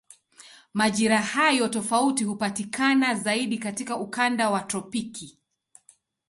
Majira hayo tofauti hupatikana zaidi katika ukanda wa tropiki.